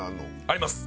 あります。